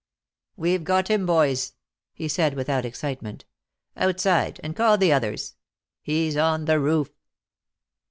"We've got him, boys," he said, without excitement. "Outside, and call the others. He's on the roof."